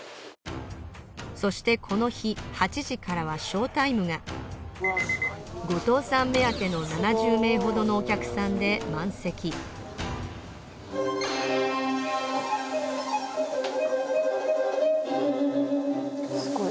そしてこの日８時からはショータイムが五塔さん目当ての７０名ほどのお客さんで満席・すごい。